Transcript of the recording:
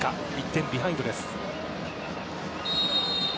１点ビハインドです。